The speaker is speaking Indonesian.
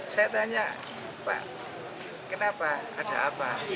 saya tanya pak kenapa ada apa